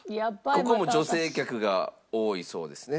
ここも女性客が多いそうですね。